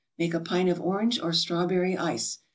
Make a pint of orange or strawberry ice.